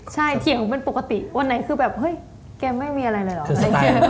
ใช่เถียงเป็นปกติวันไหนคือแบบเฮ้ยแกไม่มีอะไรเลยเหรอ